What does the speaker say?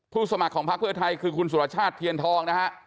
สมัครของพักเพื่อไทยคือคุณสุรชาติเทียนทองนะฮะ